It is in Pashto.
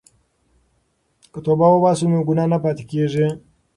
که توبه وباسو نو ګناه نه پاتې کیږي.